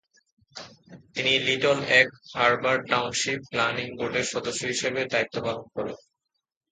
তিনি Little Egg Harbor Township planning বোর্ডের সদস্য হিসেবে দায়িত্ব পালন করেন।